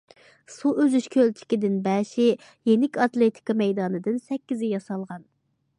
سۇ ئۈزۈش كۆلچىكىدىن بەشى، يېنىك ئاتلېتىكا مەيدانىدىن سەككىزى ياسالغان.